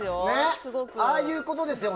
ああいうことですよね。